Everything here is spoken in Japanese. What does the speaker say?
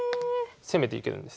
攻めていけるんです。